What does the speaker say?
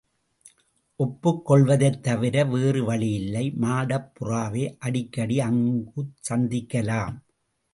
ஒப்புக் கொள்வதைத் தவிர வேறு வழியில்லை மாடப்புறாவை அடிக்கடி அங்குச் சந்திக்கலாம்.